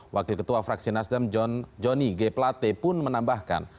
wakil ketua fraksi nasdem jonny g plate pun menambahkan